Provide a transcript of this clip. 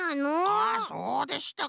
あそうでしたか。